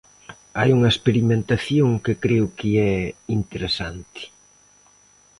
Hai unha experimentación que creo que é interesante.